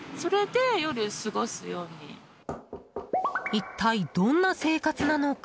一体どんな生活なのか？